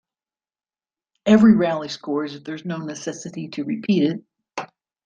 Every rally scores if there is no necessity to repeat it.